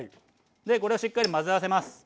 でこれをしっかり混ぜ合わせます。